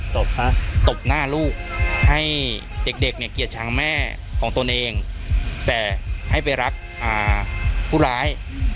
ตบหน้าลูกให้เด็กเนี่ยเกลียดชังแม่ของตนเองแต่ให้ไปรักผู้ร้าย